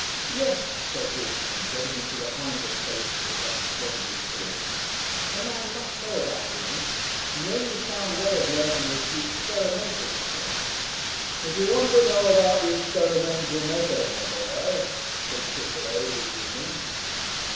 "Yes," said Walshingham, getting into the hinder spaces of that splendid pause, "a man must know about women. And the only sound way of learning is the experimental method." "If you want to know about the experimental method, my boy," said Chitterlow, resuming....